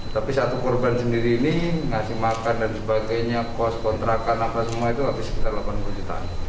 tapi satu korban sendiri ini ngasih makan dan sebagainya kos kontrakan apa semua itu habis sekitar delapan puluh jutaan